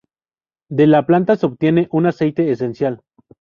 De la planta se obtiene un aceite esencial.